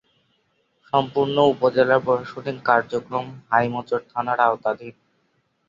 সম্পূর্ণ উপজেলার প্রশাসনিক কার্যক্রম হাইমচর থানার আওতাধীন।